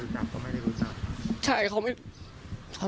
รู้จักก็ไม่ได้รู้จัก